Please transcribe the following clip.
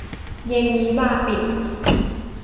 เย็นนี้บาร์ปิด